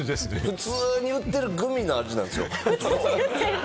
普通に売ってるグミの味なんですよ。